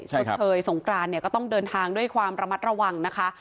ชดเชยสงกรานเนี่ยก็ต้องเดินทางด้วยความระมัดระวังนะคะ